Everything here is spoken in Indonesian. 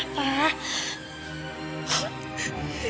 kinta kinta kinta kenapa sayang